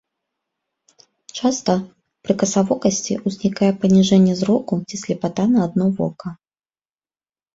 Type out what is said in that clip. Часта пры касавокасці ўзнікае паніжэнне зроку ці слепата на адно вока.